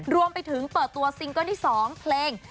รวมไปถึงเปิดตัวซิงเกิ้ลที่๒เพลง